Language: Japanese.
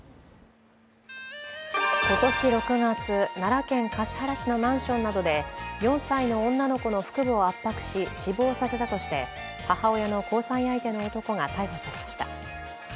今年６月、奈良県橿原市のマンションなどで４歳の女の子の腹部を圧迫し死亡させたとして母親の交際相手の男が逮捕されました。